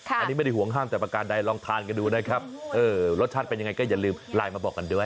อันนี้ไม่ได้ห่วงห้ามแต่ประการใดลองทานกันดูนะครับเออรสชาติเป็นยังไงก็อย่าลืมไลน์มาบอกกันด้วย